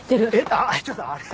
あっちょっとあれ？